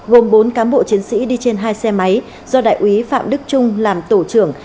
gồm bốn cán bộ chiến sĩ đi trên hai xe máy do đại úy phạm đức trung làm tổ trưởng